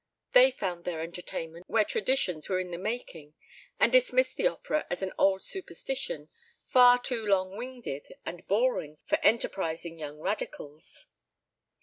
They found their entertainment where traditions were in the making, and dismissed the opera as an old superstition, far too long winded and boring for enterprising young radicals.